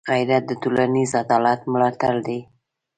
غیرت د ټولنيز عدالت ملاتړی دی